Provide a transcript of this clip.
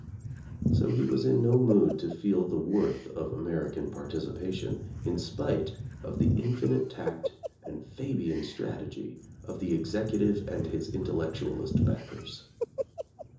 So he was in no mood to feel the worth of American participation, in spite of the infinite tact and Fabian strategy of the Execu tive and his intellectualist backers.